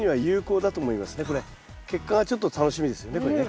ですから結果がちょっと楽しみですよねこれね。